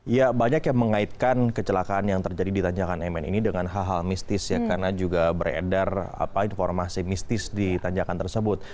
ya banyak yang mengaitkan kecelakaan yang terjadi di tanjakan mn ini dengan hal hal mistis ya karena juga beredar informasi mistis di tanjakan tersebut